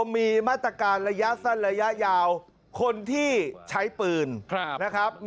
มีมาตรการระยะสั้นระยะยาวคนที่ใช้ปืนนะครับ